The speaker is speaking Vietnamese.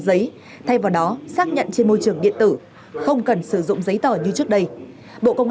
giấy thay vào đó xác nhận trên môi trường điện tử không cần sử dụng giấy tờ như trước đây bộ công